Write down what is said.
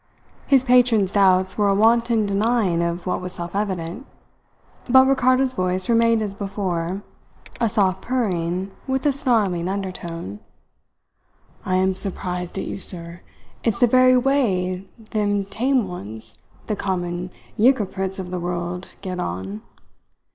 His patron's doubts were a wanton denying of what was self evident; but Ricardo's voice remained as before, a soft purring with a snarling undertone. "I am sup prised at you, sir! It's the very way them tame ones the common 'yporcrits of the world get on.